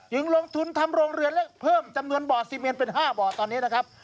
ลงทุนทำโรงเรือนและเพิ่มจำนวนบ่อซีเมนเป็น๕บ่อตอนนี้นะครับ